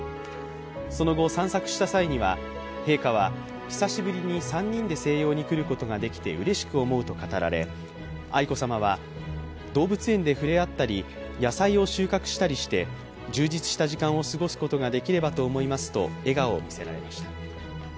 その後散策した際には陛下は久しぶりに３人で静養に来れてうれしく思うと語られ愛子さまは、動物園で触れ合ったり野菜を収穫したりして充実した時間を過ごすことができればと思いますと笑顔を見せられました。